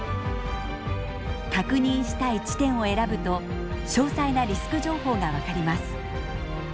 確認したい地点を選ぶと詳細なリスク情報が分かります。